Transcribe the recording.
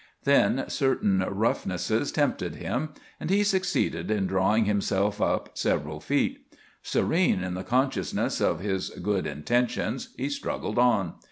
Then, certain roughnesses tempted him, and he succeeded in drawing himself up several feet. Serene in the consciousness of his good intentions, he struggled on.